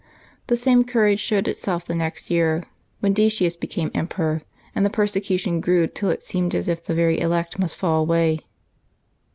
The same courage showed itself the next year, when Decius became emperor, and the persecu tion grew till it seemed as if the very elect must fall away.